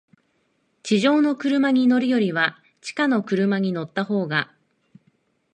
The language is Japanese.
地上の車に乗るよりは、地下の車に乗ったほうが、